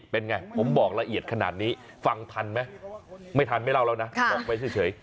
เป็นไงผมบอกละเอียดขนาดนี้ฟังทันไหมไม่ทันไม่เล่าแล้วนะบอกไปเฉย